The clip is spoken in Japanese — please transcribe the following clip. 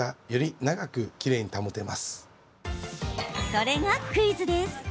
それが、クイズです。